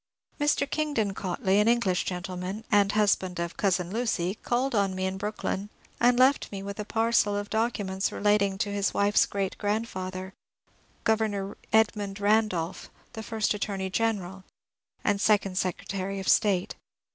Mr. Kingdon Cautley, an English gentleman, and husband of cousin Lucy, called on me in Brooklyn, and left with me a parcel of documents relating to his wife's great grandfather. Gov. Edmimd Bandolph, first Attorney General, and second Secretary of State.